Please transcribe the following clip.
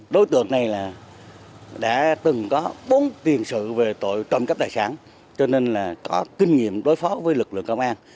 đối tượng này là đã từng có bốn tiền sự về tội trộm cắp tài sản cho nên là có kinh nghiệm đối phó với lực lượng công an